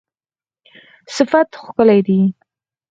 صفت ښکلی دی